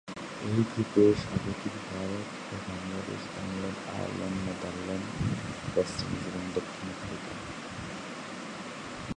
এই গ্রুপে স্বাগতিক ভারত ও Bangladesh, England, Ireland, Netherlands, West Indies এবং দক্ষিণ আফ্রিকা।